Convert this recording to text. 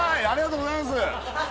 ありがとうございます